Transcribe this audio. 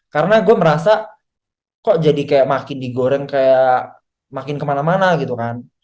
karena gue merasa kok jadi kayak makin digoreng kayak makin kemana mana gitu kan